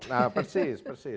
nah persis persis